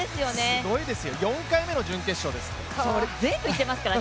すごいですよ、４回目の準決勝です。